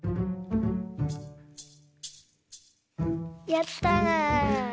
やった。